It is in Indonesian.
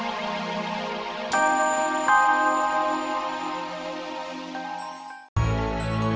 aku tidak arti